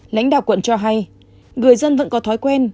lãnh đạo quận cho hay người dân vẫn có thói quen